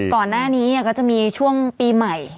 ก่อนหน้านี้ก็จะมีช่วงปีใหม่